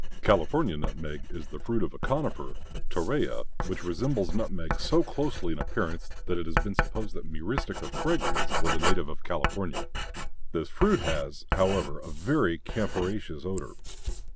California nutmeg is the fruit of a conifer (Torreya), which resembles nutmeg so closely in appearance that it has been supposed that Myristica fragrans was a native of California. This fruit has, however, a very camphoraceous odor.